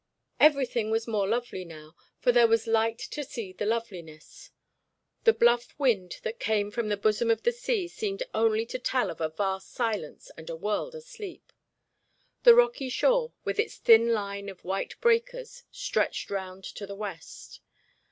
Everything was more lovely now, for there was light to see the loveliness. The bluff wind that came from the bosom of the sea seemed only to tell of a vast silence and a world asleep. The rocky shore, with its thin line of white breakers, stretched round to the west.